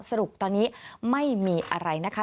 สรุปตอนนี้ไม่มีอะไรนะคะ